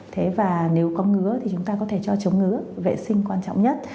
thế và nếu có ngứa thì chúng ta có thể cho chống ngứ vệ sinh quan trọng nhất